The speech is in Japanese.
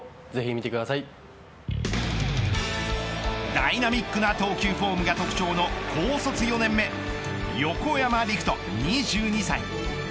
ダイナミックな投球フォームが特徴の高卒４年目横山陸人、２２歳。